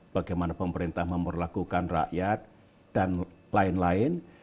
bagaimana pemerintah memperlakukan rakyat dan lain lain